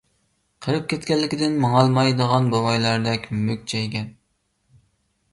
قېرىپ كەتكەنلىكىدىن ماڭالمايدىغان بوۋايلاردەك مۈكچەيگەن.